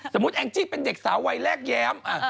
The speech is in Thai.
สมมุติแองจี้เป็นเด็กสาวใจแรกแย้ม